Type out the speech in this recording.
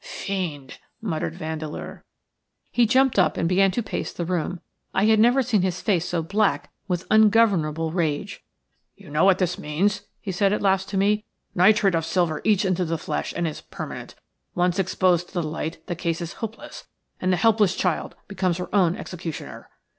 "Fiend!" muttered Vandeleur. He jumped up and began to pace the room. I had never seen his face so black with ungovernable rage. "You know what this means?" he said at last to me. "Nitrate of silver eats into the flesh and is permanent. Once exposed to the light the case is hopeless, and the helpless child becomes her own executioner."